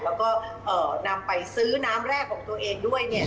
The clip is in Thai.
แล้วก็นำไปซื้อน้ำแรกของตัวเองด้วยเนี่ย